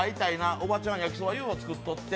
おばちゃん、焼きそばＵ．Ｆ．Ｏ．作っといてって。